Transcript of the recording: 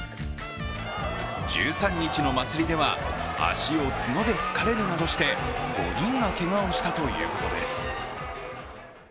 １３日の祭りでは足を角で突かれるなどして５人がけがをしたということです。